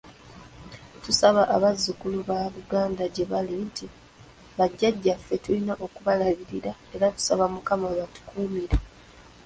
Tusaba abazzukulu ba Buganda gye bali nti bajjajjaffe tulina okubalabirira era tusaba Mukama abatukuumire.